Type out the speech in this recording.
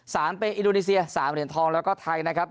สามเป็นอินโดนีเซียสามเหรียญทองแล้วก็ไทยนะครับ